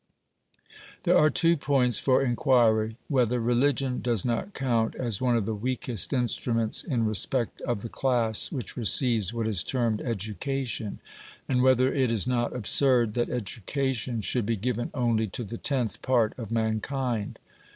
There are two points for inquiry : Whether religion does not count as one of the weakest instruments in re spect of the class which receives what is termed education ; and whether it is not absurd that education should be given only to the tenth part of mankind.